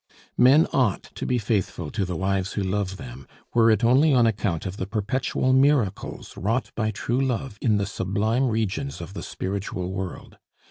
Men ought to be faithful to the wives who love them, were it only on account of the perpetual miracles wrought by true love in the sublime regions of the spiritual world.